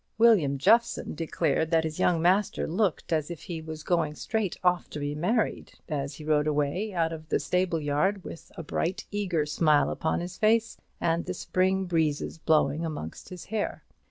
William Jeffson declared that his young master looked as if he was going straight off to be married, as he rode away out of the stable yard, with a bright eager smile upon his face and the spring breezes blowing amongst his hair.